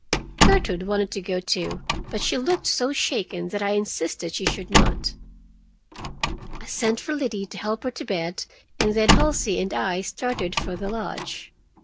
Gertrude wanted to go, too, but she looked so shaken that I insisted she should not. I sent for Liddy to help her to bed, and then Halsey and I started for the lodge.